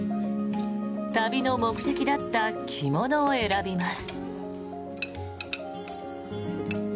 旅の目的だった着物を選びます。